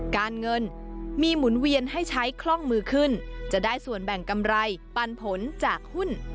การเงินมีหมุนเวียนให้ใช้คล่องมือขึ้นจะได้ส่วนแบ่งกำไรปันผลจากหุ้น